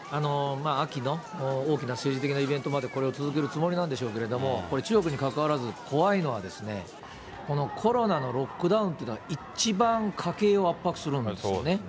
秋の大きな政治的なイベントまでこれを続けるつもりなんでしょうけれども、これ、中国にかかわらず、怖いのは、コロナのロックダウンというのは一番家計を圧迫するんですよね。